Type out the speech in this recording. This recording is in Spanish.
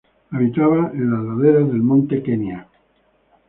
Habitaba en las laderas del monte Kenia.